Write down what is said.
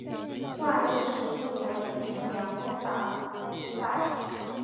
万历十一年李成梁攻打古勒寨。